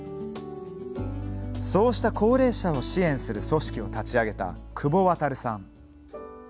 そうした高齢者を支援する組織を立ち上げた久保わたるさん。